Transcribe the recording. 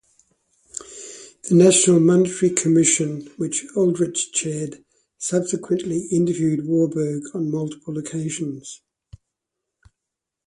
The National Monetary Commission, which Aldrich chaired, subsequently interviewed Warburg on multiple occasions.